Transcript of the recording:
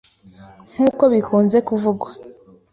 Nk’uko bikunze kuvugwa,